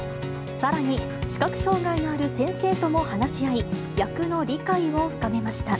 さらに、視覚障がいのある先生とも話し合い、役の理解を深めました。